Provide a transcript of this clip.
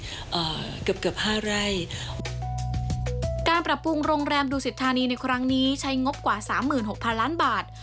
อ่าเกือบเกือบห้าไร่การปรับปรุงโรงแรมดูสิทธานีในครั้งนี้ใช้งบกว่าสามหมื่นหกพันล้านบาท